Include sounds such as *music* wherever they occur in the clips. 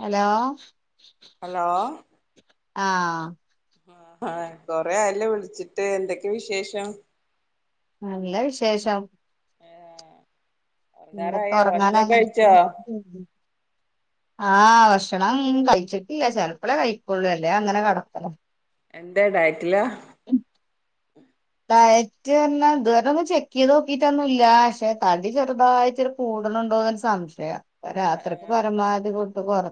Hello. Hello. ആഹ്. ആഹ് കൊറെ ആയല്ലോ വിളിച്ചിട്ട് എന്തൊക്കെ വിശേഷം? നല്ല വിശേഷം. ആ ഇന്ന്പ്പൊ ഉറങ്ങാറായോ ഒറങ്ങാൻ ഭക്ഷണൊക്കെ കഴിച്ചോ *unintelligible* ആഹ് ഭക്ഷണം കഴിച്ചിട്ടില്ല ചെലപ്പളേ കഴിക്കൊള്ളൂ അല്ലേ അങ്ങനെ കടക്കണം എന്തേ ഡയറ്റില. ഡയറ്റ് ർഞ്ഞ ഇതുവരൊന്നും ചെക്കയ്ത് നൊക്കിട്ടൊന്നുല്ല പക്ഷെ തടി ചെറുതായിറ്റൊരു കൂട്ണ്ണ്ണ്ടോന്ന് സംശയം ആ ആ രാത്രിക്ക് പരമാവധി ഫുഡ് കൊറ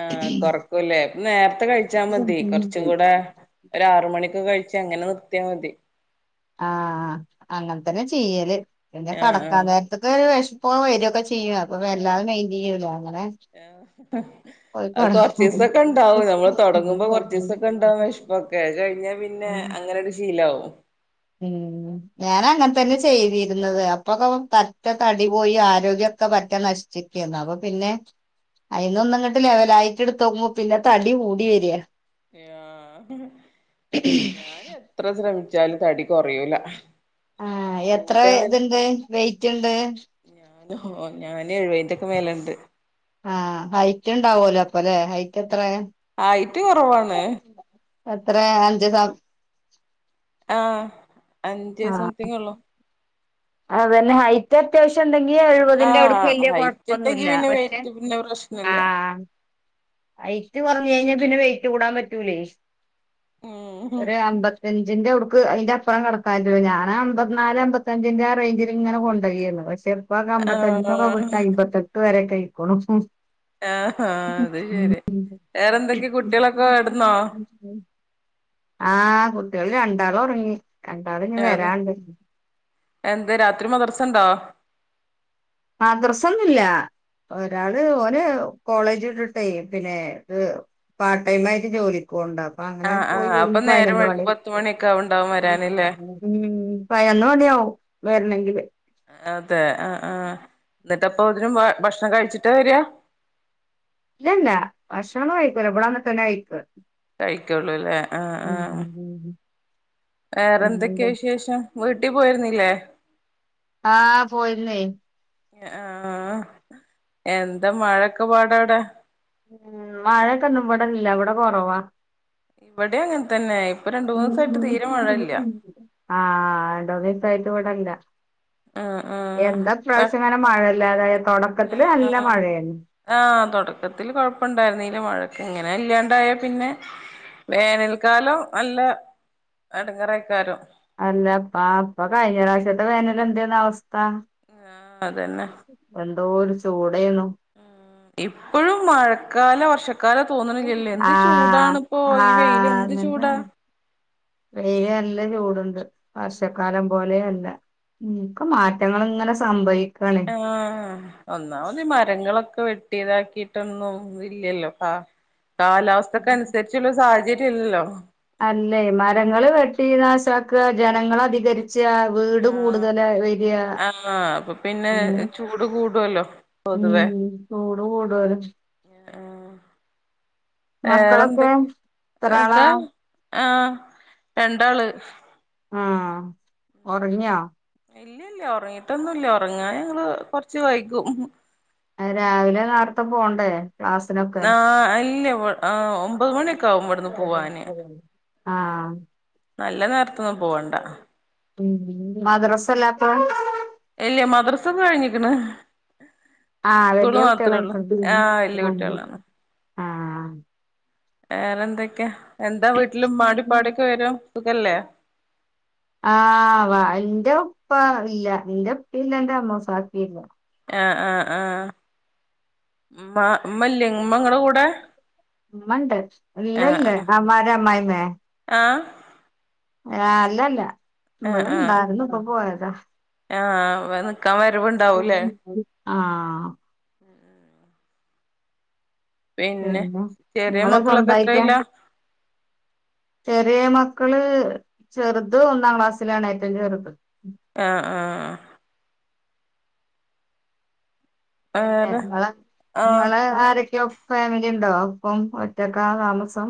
ആഹ് കൊറക്കൂല്ലേ നേരത്തെ കഴിച്ചാ മതി കൊറച്ചും കൂടെ. ഒരാറ് മണിക്കൊക്കെ കഴിച്ച അങ്ങനെ നിർത്യാ മതി. ആഹ് അങ്ങൻ തന്നെ ചെയ്യല് പിന്നെ ആ കടക്കാനേര ത്തൊരു വെഷപ്പൊ വരൊക്കെ ചെയ്യു അ അപ്പൊ ആ വെല്ലാതെ മെയിന്റ്യ്യൂല അങ്ങനെ ആ പോയി അത് കടക്കും. കൊറച്ചീസൊക്കെ ഉണ്ടാവും നമ്മള് തൊടങ്ങുമ്പോ കൊറച്ചീസൊക്കെണ്ടാവും വെഷ്പൊക്കെ അയ് കഴിഞ്ഞ പിന്നെ ഉം അങ്ങനാണ്ട് ശീലാവും. ഉം. ഞാനങ്ങൻതന്നെ ചെയ്തീര്ന്നത് അപ്പൊക്കൊ പറ്റെ തടി പോയി ആരോഗ്യൊക്കെ പറ്റ ന ചിക്കേന്നു അപ്പ പിന്നെ അയിന്നൊന്ന് ഇങ്ങട്ട് ലെവലായിട്ട് ഇടുത്തോക്കുമ്പോ പിന്നെ തടികൂടി വര. ആഹ് ഞാന് എത്ര ശ്രമിച്ചാലും തടി കൊറയൂല. ആഹ് എത്ര കൂടാന്നൽ ഇത്ണ്ട് വെയിറ്റ്ണ്ട്. ഓഹ് ഞന് എഴുവയിന്റെക്കെ മേലണ്ട്. ആഹ് ഹൈറ്റ് ഇണ്ടാവോലോ അപ്പലേ ഹൈറ്റത്രേ? അയിറ്റ് കൊറവാണ്. എത്രേ അഞ്ച് സ- ആഹ് അഞ്ച് ആ സംത്തിങ്യോള്ളു അതന്നെ വായി. അത്യാവശ്യം ഇണ്ടെങ്കി എഴുപതിന്റെ അവിടുക്ക് ആഹ് വല്യേ ഹൈറ്റ് ഉണ്ടെങ്കി കൊഴപ്പൊന്നുല്ല പിന്നെ പക്ഷെ വെയിറ്റ് പിന്നെ പ്രശ്നല്ല ആഹ്. ഹൈറ്റ് കൊറഞ് കഴിഞ്ഞാ പിന്നെ വെയറ്റ് കൂടാം പറ്റൂലേ ഉം ഒരു അമ്പത്തി അഞ്ചിന്റെ അവ്ടുക്ക് അയിന്റെ അപ്പറം കടക്കാൻ പറ്റൂല്ല ഞനമ്പത് നാല് അമ്പത്തഞ്ചിന്റെ ആഹ് റേഞ്ചില്ങ്ങനെ കൊണ്ടയരുന്നു പക്ഷേ. ഇപ്പക അമ്പത്തഞ്ചിന്റൊക്കെ ആഹ് വിട്ട അമ്പത്തെട്ട് വരെ കഴിക്കോണ ഏഹ് ആഹ് അത് ശരി വേറെന്തൊക്കെ കുട്ടേളൊക്കെ കെടന്നോ? ആഹ് കുട്ടേള് രണ്ടാളൊറങ്ങി രണ്ടാള് ഇഞ് വരാണ്ട്. എന്തേ രാത്രി മദറസണ്ടോ? മദറസൊന്നുല്ല. ഒരാള് ഓന് കോളേജ്ട്ട്ട്ടേയ് പിന്നെ ഇത്. പാർടൈമായിട്ട് ജോലിക്കോവ്ണ്ട്. അപ്പ അങ്ങനെ ആഹ് പോയി ആഹ് അപ്പൊ നേരം പയിനൊന്ന് വൈകും മണി. പത്ത് മണിയൊക്കെ ആവുണ്ടാവും വരാനില്ലേ ഉം പയനൊന്ന്മണ്യാവും വെരണെങ്കില്. അതെ ആഹ് ആഹ് ഇന്നിട്ടപ്പൊ ഇതിനും ഭക്ഷണം കഴിച്ചിട്ട വര ഇല്ലല്ല ഭക്ഷണൊന്നും കഴിക്കൂല ഇവടന്ന്ട്ടന്നയിക്ക. കഴിക്കൊള്ളൂലേ ആഹ് ആഹ് വേറെന്തൊക്കെ വിശേഷം? വീട്ടി പോയിരുന്നില്ലേ? ആഹ് പോയിരുന്നേ. ആഹ് എന്താ മഴക്കെ പാടവിടെ ഉം മഴയൊക്കെ ഒന്നും ഇവിടെല്ല ഇവിടെ കുറവാ. ഇവിടെ അങ്ങനെ തന്നെ ഇപ്പൊ രണ്ടു മൂന്നുസായിട്ട് തീരെ മഴയില്ല. ആഹ് രണ്ട് മൂന്ന് ദിവസം അയിട്ട് ഇവിടില്ല. ആഹ് ആഹ് എന്താ ഈ പ്രാവശ്യങ്ങനെ മഴല്ലാതായ തോട എന്താ ആ തുടക്കത്തിൽ കൊഴപ്പ ഇണ്ടായിരുന്നില്ല, മഴക്ക് ഇങ്ങനെ ഇല്ലാണ്ടായ പിന്നെ വേനൽക്കാലോ നല്ല എടങ്ങേറക്കാരോ?. അല്ല അപ്പാ അപ്പൊ കഴിഞ്ഞ പ്രാവശ്യത്തെ വേനൽ എന്തന്ന അവസ്ഥ. ആഹ് അതന്നെ എന്തോരു ചൂടെയര്ന്നു. ഇപ്പോഴും മഴക്കാല വർഷ മഴ ക്കാല തോന്നണിലല്ലേ എന്ത് ചൂടാണ ആഹ് ഇപ്പോ ഈ വെയില് ആഹ് എന്ത് അതന്നെ ചൂടാ. വെയില് നല്ല ചൂടുണ്ട് വർഷക്കാലം പോലെയല്ല. ഉം ഒക്കെ മാറ്റങ്ങൾ ഇങ്ങനെ സംഭവിക്കണെ ആഹ് ഒന്നാമത് മരങ്ങളൊക്കെ വെട്ടിയതാക്കിട്ടൊന്നും ഇല്ലല്ലോ, ആ കാലാവസ്ഥക്ക അനുസരിച്ചുള്ള സാഹചര്യ ഇല്ലല്ലോ?. അല്ലേ മരങ്ങള് വെട്ടി നാശക്കുക, ജനങ്ങൾ അധികരിച്ച് വീട് ആഹ് കൂടുതല് വരിക ആഹ് അപ്പൊ പിന്നെ അങ്ങനെ ചൂട് കൂടുവല്ലോ ഉം പൊതുവെ ചൂട് കുടുതലും. ആഹ് മക്കളൊക്കെ വേറെന്തൊക്കെ, എത്രാളാ അതാ ആഹ് രണ്ടാള്. ആഹ് ഒറങ്ങിയോ?. ഇല്ലല്ല ഉറങ്ങിട്ടൊന്നുംല്ല ഉറങ്ങാ ഞങ്ങള് കൊറച്ച് വൈകും രാവിലെ നേരത്തെ പോകണ്ടേ ക്ലാസ് ആഹ് ഇല്ലേ ഒമ്പത് മണിയൊക്കെ ആകും. ഇവിടുന്ന് പോവാന്. ആഹ്. നല്ല നേരത്തൊന്നും പോവണ്ട. ഉം മദ്രസല്ലാപ്പം ഇല്ല മദ്രസും കഴിഞ്ഞിക്ക്ണ്. ആഹ് സ്കൂള് വല്യ മാത്രം ഒള്ളു. കുട്ടികളായിട്ടുണ്ട് ആ വല്യ കുട്ട്യേളാണ്. ആഹ് വേറെ എന്തൊക്ക്യ. എന്താ വീട്ടിലും ഉമ്മാൻ്റെ ഉപ്പാടൊക്കെ വിവരം. സുഖല്ലെ? ആ വ ഇന്റെ ഉപ്പ ഇല്ല. ഇന്റെ ഉപ്പ ഇല്ല. ഇന്റെ അമോസാക്കീല്ല. ആഹ് ആഹ് ആഹ് ഇമ്മ ഇമ്മല്ലെ ഇങ്ങളെ കൂടെ. ഉമ്മണ്ട്. ഇല്ല ഇല്ല. അമാര അമ്മായിമെ ആ അല്ലല്ല. ഇബ്ടെ ഇണ്ടായിരുന്നു. ഇപ്പ പോയതാ. ആ നിക്കാൻ വരവുണ്ടാവൂലെ?. ആഹ് *unintelligible* പിന്നെ ചെറ്യേ നിങ്ങള് മക്കളൊക്കെ സ്വന്തായിട്ടാ എത്രയില? ചെറ്യേ മക്കള് ചെറുത് ഒന്നാം ക്ലാസ്സിലാണ്. ഏറ്റവും ചെറുത്. ആഹ് ആഹാ ആ പിന്നെ വേറെ ഇങ്ങെളെ ആഹ് ഇങ്ങള് ആരൊക്കെയോ?. ഫാമിലി ഉണ്ടോ? ഒപ്പം ഒറ്റക്ക താമസം.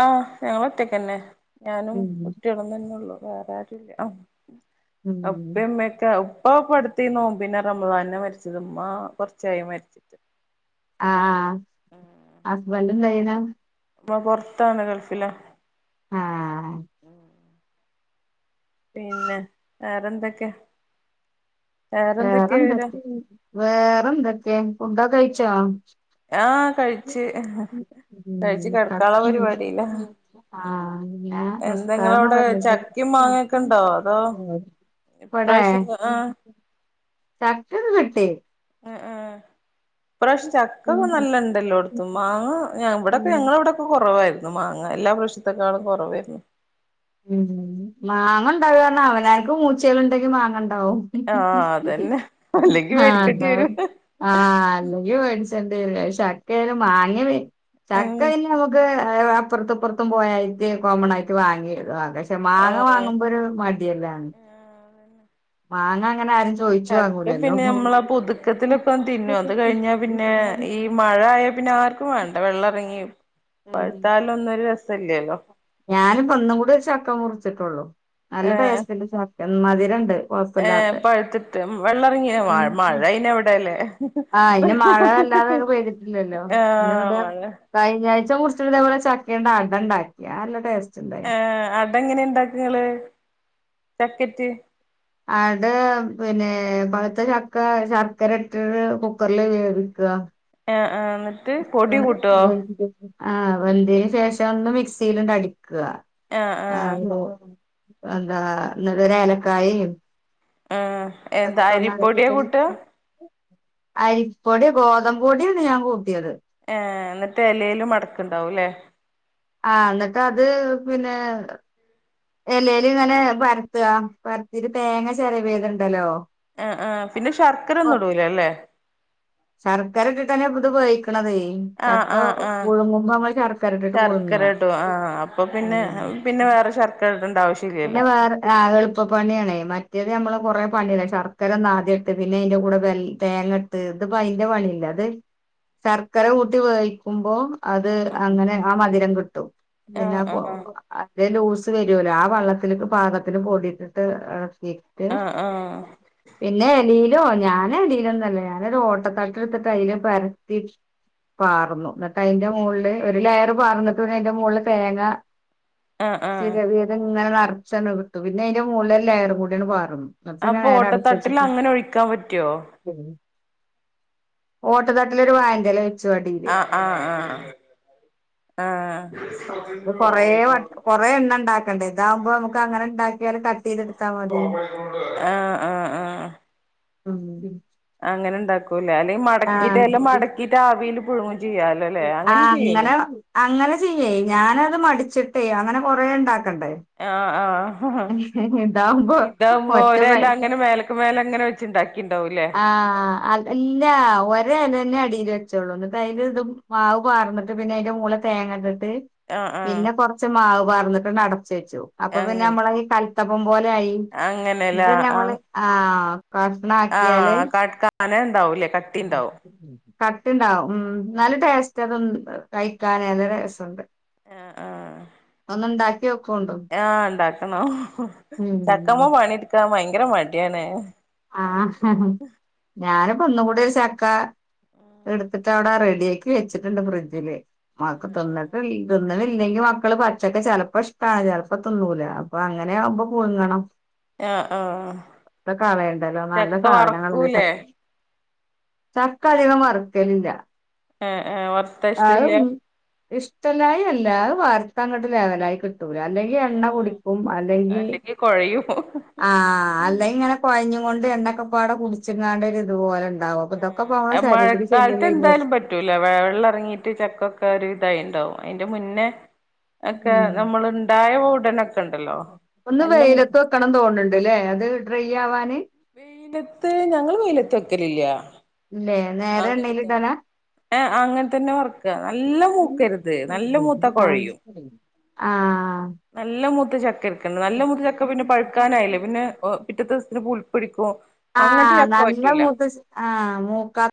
ആഹ് ഞങ്ങള് ഒറ്റക്കന്നെ, ഞാനും ഉം കുട്ടി ഒന്നെന്നൊള്ളു. വേറെ ആരുല്ല. ഉം ഉപ്പ ഉമ്മ്യെക്കെ, ഉപ്പ ഇപടുത്തീന്നു. പിന്നെ റമളാൻലാ മരിച്ചത്. ഇമ്മ കൊറച്ചായി മരിച്ചത്. ആ ആ ഹസ്ബൻ്റ എന്ത് ചെയണ്. ഇപ്പം പൊറ്ത്താണ് ഗൾഫില ആഹ് പിന്നെ വേറെന്തൊക്കെ. വേറെന്തൊക്കെയാ വിവരം വേറെന്തൊക്കെ. വേറെന്തൊക്കെ ഫുഡ്ഡൊക്കെ കഴിച്ചൊ. ആഹ് കഴിച്ച് *unintelligible* കഴിച്ച് കെടക്കാള്ള പരിപാടിയിലാ *unintelligible* ആഹ് ഞാൻ എന്താ നിസ്കാരം ഇങ്ങളവിടെ കള - - ചക്കിം, മാങ്ങക്കണ്ടോ അതൊ. ഇവടെ ചക്കൊക്കെ കിട്ടി. ഉം. ഉം. ഇപ്രാശ് ചക് *unintelligible* ക്ക *unintelligible* ഉം നല്ലണ്ടല്ലോട്ത്തും മാങ്ങ ഞങ്ങളവെടക്കെഞങ്ങളവിടെ ഇപ്പ കൊറവായിരുന്നു മാങ്ങ. എല്ലാ പ്രാശത്തെക്കാളും കൊറവേര്ന്നു. ഉം മാങ്ങ ഇണ്ടാവ പറഞ്ഞാ. അവനാ ൻക്ക് മൂച്യേള്ണ്ടെങ്കി മാങ്ങ ഇണ്ടാവും. ആഹ് അതന്നെ. അല്ലെങ്കി അതാവും വരിക്കട്ട്യെരും. ആഹ് അല്ലെങ്കി മേട്ച്ചെണ്ട്യേരും. അത് ചക്കയാലും മാങ്ങ ചക്ക ഏഹ് പിന്നമക്ക് അപ്പറ്ത്തും ഇപ്പറ്ത്തും പോയായിട്ട് കോമൺ ആയിട്ട് വാങ്ങി *unintelligible* മാങ്ങ ആഹ് വാങ്ങുമ്പൊരു മടിയല്ലാണ്. മാങ്ങ അങ്ങനെ ചോയിച്ചു ചക്ക വാങ്ങൂലല്ലോ പിന്നെ നമ്മള് ആ പുതുക്കത്തിലൊക്കെ തിന്നു. അത് കഴിഞ്ഞാ പിന്നെ ഈ മഴ ആയ പിന്നെ ആർക്കും വേണ്ട വെള്ളം എറങ്ങി പഴുത്താലൊന്നും ഒരു ര ഞാനിപ്പം ഇന്നും കൂടി ചക്ക മുറിച്ചിട്ടാ ള്ളു. നല്ല ടേസ്റ്റല്ല ചക്കറ എമ്മതിരണ്ട്. ഏ പഴുത്തിട്ട്. വെള്ളറങ്ങിയന മഴ അയിന് എവിടേല്ലേ ആഹ് അയ്ന് മഴ വല്ലാതെ പെയ്തിട്ടില്ലല്ലോ. പിന്നെ ആഹ് ഇവിടെ. മഴ കയിഞ്ഞാഴ്ച്ച മുറിച്ചിട്ട് ഇതേപോലെ ചക്കണ്ട അടണ്ടാക്കി അത്‌ നല്ല ടേസ്റ്റ് ഉണ്ട് ഏഹ് അട എങ്ങനെ ഇണ്ടാക്ക ഇങ്ങള് ചക്കേറ്റ് അടെ പിന്നെ പഴുത്തെ ചക്ക ശർക്കര ഇട്ടിട്ട് കുക്കറിൽ വേവിക്ക ആഹ് ആഹ് പൊടി കൂട്ടോ വേവിക്കും ആഹ് വെന്തിന് ശേഷം ഒന്ന് മിക്സിൽണ്ട് അടിക്ക ആഹ് ആഹ് ആഹ് എന്താ ഇന്നിട്ട് ഒര് ഏലക്കായെം ആഹ് എന്താ അരിപ്പൊട്യാ കൂട്ട അടിപ്പിച്ച് അരിപ്പൊടി ഗോതമ്പ് പൊടിയാണ് ഞാൻ കൂട്ടിയത് ഏഹ് ഇന്നിട്ട് എലേല് മടക്ക്ണ്ടാവുംലെ ആഹ് ഏന്നട്ട് അത് പിന്നെ എലേല് ഇങ്ങനെ പരത്ത പരത്തീട്ട് തേങ്ങ ചെരവിയത് ഇണ്ടല്ലോ ആഹ് ആഹ് പിന്ന ശർക്കര ഒന്നും ഇടൂലല്ലെ ശർക്കര ഇട്ടിട്ടെന്നെ ഇപ്പത് വേവിക്കണതേ ആഹ് ചക്ക ആഹ് ആഹ പുഴുങ്ങുമ്പോ നമ്മള് ശർക്കര ഇട്ടിട്ട് പുഴുങ്ങുക ശർക്കര ഇടും ആഹ അപ്പൊ പിന്നെ ഉം പിന്നെ വേറെ ശർക്ക ക്കര ഇടണ്ട ആവശ്യം പിന്നെ ഇല്ല്യല്ലോ വേറെ ആ എളുപ്പണിയാണേ മറ്റേത് നമ്മള് കൊറെേ പണിയല്ലേ ശർക്കരന്നാദ്യട്ട് പിന്നെ അതിന്റെ കൂടെ വെ തേങ്ങ ഇട്ട് ഇത്‌ ഇപ്പോ അതിന്റെ പണിയില്ല അത് ശർക്കര കൂട്ടി വേവിക്കുമ്പോ അത് ആഹ് അങ്ങനെ ആ മധുരം കിട്ടും പിന്നെ ആഹ് ആഹ് അട്ത്തേ ലൂസ് വരുല്ലോ ആ വെള്ളത്തില്ക്ക് പാകത്തില് പൊടിട്ടിട്ട് എളക്കിട്ട് ആഹ് ആഹ് പിന്നെ എലീലോ ഞാൻ എലീലൊന്നല്ലേ ഞാനൊരു ഓട്ടത്താട്ടടുത്തിട്ട് അയില് പരത്തി പാർന്നു എന്നിട്ട് അയിന്റെ മോളില് ഒരു ലയറ് പാർന്നിട്ട് പിന്ന അയിന്റെ മോളില് തേങ്ങ ആഹ് ചിരവിയത് ഇങ്ങനെ നറച്ചണ് കിട്ടും പിന്നെ അയിന്റെ മോളില് ഒര് ലെയർ കൂടിഅണ്ട് പാരുന്നു അപ്പൊ ഓട്ടത്തട്ടിൽ അങ്ങനെ ഒഴിക്കാൻ പറ്റോ ഓട്ട തട്ടിലൊരു വായെന്റെല ആഹ് ആഹ് ആഹ് ആഹ് കൊറെ എണ്ണം ഇണ്ടാക്ക ടേതാമ്പോ നമുക്ക് അങ്ങനെ ഇണ്ടാക്കിയാല് കട്ട് ചെയ്തെടുത്താ മതി ആഹ് ആഹ് ആഹ് ഉം അങ്ങനെ ഇണ്ടാക്കുംലെ അല്ലെങ്കി മടക്കിയിട്ട് എല ആഹ് മടക്കിട്ട് ആവില് പുഴുങ്ങും ചെയ്യാലൊലേ അങ്ങനേം ആഹ് ചെയ്യല്ലോ അങ്ങനെ അങ്ങനെ ചെയ്യേ ഞാനത് മടിച്ചിട്ടേ അങ്ങനെ കൊറെ ഇണ്ടാക്കണ്ടേ ആഹ് ആഹ് ഇതാവുമ്പോ ഇതാവ്മ്പോ ഒറ്റ പ ഒരെല അങ്ങനെ മേല ക്ക്മേല ഇങ്ങനെ വച്ച് ഇണ്ടാക്കിണ്ടാവുംലെ ആഹ് അതല്ലാ ഒരെലെന്നെ അടീല് വെച്ചോള്ളൂ എന്നിട്ട് അയില് ഇതും മാവ് പാർന്നിട്ട് പിന്നെ അയിന്റെ മോളി തേങ്ങട്ടിട്ട് ആഹ് ആഹ് പിന്നെ കൊറച്ച് മാവ് പാർന്നിട്ട് അണ്ട് അടച്ച് വെച്ചു അപ്പൊ പിന്നെ അങ്ങനെ നമ്മളെ ഈ കൽത്തപ്പം പോലെ ആയി അങ്ങനെല്ല ഇത് ഞമ്മൾ ആഹ് ആഹ് കഷ്ണാ ആഹ് *unintelligible* ണ്ടാവൂലേ ക കട്ടി ഉണ്ടാവും *unintelligible* കട്ട്ണ്ടാവും ഉം നല്ല ടേസ്റ്റാ അത് കഴിക്കാൻ നല്ല ടേസ്റ്റ് ഉണ്ട് ആഹ് ആഹ് ഇന്നുണ്ടാക്കിയോ ആ ഇണ്ടാക്കണം ഉം ചക്കമ പണി ഇട്ക്കാം ഭയങ്കര മടിയാണ് ആ ഞാന്പ്പോ ഒന്നും കൂടി ഒരു ചക്ക ഇട്ത്തി ട്ട് അവ്‌ടെ റെഡിയാക്കി വെച്ചിട്ട്ണ്ട് ഫ്രിഡ്ജില് മക്ക തിന്ന്ട്ട് ഇൽ തിന്ന്ണില്ലെങ്കി മക്കള് പ ഉച്ചക്ക് ചെലപ്പ ഇഷ്ടാണ് ചെലപ്പ തിന്നൂല അപ്പൊ അങ്ങനെ ആവുമ്പ പുഴുങ്ങണം ആഹ് ആഹ് ആഹ് ഇപ്പ കളയണ്ടല്ലോ നല്ല ചക്ക സാധനങ്ങളല്ലേ വറക്കൂലേ ചക്ക ചക്ക അധികം വറ്ക്കലില്ല ആഹ് ആഹ് വർത്ത ഇഷ്ടല്യ ഇഷ്ടല്ലായ് അല്ല അത് വർത്ത അങ്ങട്ട് ലെവലായി കിട്ടൂല അല്ലെ ങ്കി എണ്ണ കുടിക്കും അല്ലെങ്കി ആ അല്ലെങ്കി ഇങ്ങനെ കോയഞ്ഞിങ്ങോണ്ട് എണ്ണക്കപ്പാട കുട്ച്ചിക്കാണ്ട് ഒരിത് പോലെ ഇ ണ്ടാവും പ്പ തൊക്കപ്പൊ നമ്മളെ ആഹ് ശരീരത്തിക്ക് മഴക്കാലത്ത് ചെല്ലല്ലേ വിചാരിച് എന്തായാലും പറ്റൂല വെ വെള്ള എറങ്ങീട്ട് ചക്കൊക്കെ ഒരു ഇതായിണ്ടാവും അയിന്റെ മുന്നേ ഒക്കെ ഉം നമ്മള് ഇണ്ടായ ഉടനൊ ഒന്ന് വെയിലത്ത് വെക്കണം തൊൺണ് ണ്ട്ലെ അത് ഡ്രൈ ആവാന് വെയിലത്ത് ഞങ്ങള് വെയിലത്ത് വെക്കലില്ല ഇല്ലേ നേരെ എണ്ണേല് ഇടലാ ഏ അങ്ങൻ തന്നെ വർക്ക നല്ല മൂക്കര്ത് നല്ല മൂത്താ ആഹ് കോഴയും ആഹ് നല്ല മൂത്ത ചക്ക എട്ക്കൻ നല്ല മൂത്ത ചക്ക പിന്നെ പഴുക്കാനായില്ലേ പിന്നെ പിറ്റത്തെ ദീസ്ത്തിന് പു പിടിക്കോ ആ നല്ല മൂത്ത ച ആ മൂക്കാ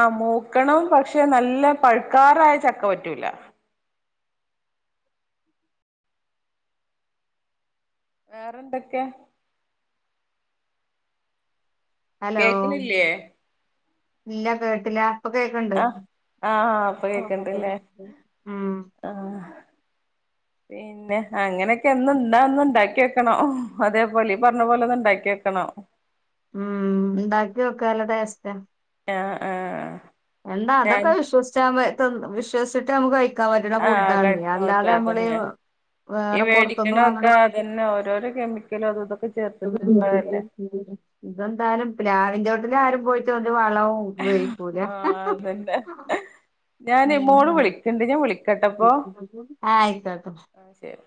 ആ മൂക്കണം പക്ഷെ നല്ല പഴുക്കാറായ ചക്ക പറ്റൂല വേറെ എന്തക്കെ ഹലോ കേക്കണില്ലേ ഇല്ല കേട്ടില ഇപ്പ കേക്ക്ണ്ട് ആഹ് ആഹ് ഇപ്പൊ കേക്കണ്ടല്ലേ ഉം ആഹ് പി പിന്നെ അങ്ങനെക്കെ ഇന്ന് ന്നാ ഒന്ന് ഇണ്ടാക്കി വെക്കണം അതേപോലെ ഈ പർഞ്ഞ പോലെ ഒന്ന് ഇണ്ടാക്കി വെക്കണം ഉം ഇണ്ടാക്കിയോക്ക് നല്ല ടേസ്റ്റാ ആഹ് ആഹ് ആഹ് എന്താ ഞാൻ അതൊക്കെ വിശ്വസിച്ചാമ്പെ തി വിശ്വസിട്ട് നമുക്ക് കഴി ക്കാം പറ്റ്ണ ആഹ് ഫുഡാണെ കഴിക്കാൻ പറ്റും അല്ലാതെ അമ്മളീ അതന്നെ വേറെ പൊർത്ത്ന്ന് വാങ്ണ തന്നെ ഓരോരോ കെമിക്കലു അത്ടും ഇതന്താലും പ്ലാവിഞ്ചോട്ടില് ആരും പോയിട്ടൊരു വളവും വയിക്കൂല തന്നെ ഞാന് മോള് വിളിക്ക്ണ്ട് ഞാൻ വിളിക്കട്ടപ്പൊ ആയിക്കോട്ടെ ആ ശരി